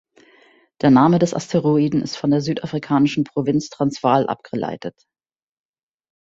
Der Name des Asteroiden ist von der südafrikanischen Provinz Transvaal abgeleitet.